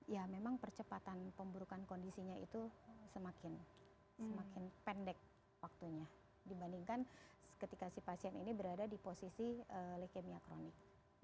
ya memang percepatan pemburukan kondisinya itu semakin pendek waktunya dibandingkan ketika si pasien ini berada di posisi leukemia kronik